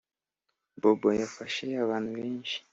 bobo yafashe abantu benshi